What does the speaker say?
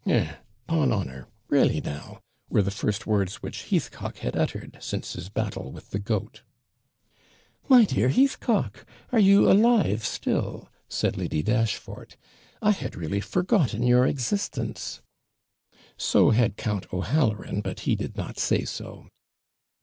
'Eh! 'pon honour! re'lly now,' were the first words which Heathcock had uttered since his battle with the goat. 'My dear Heathcock, are you alive still?' said Lady Dashfort; 'I had really forgotten your existence.' So had Count O'Halloran, but he did not say so.